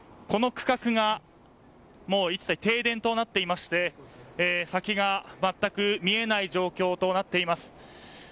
この区画が停電となっていて先がまったく見えない状況となっています。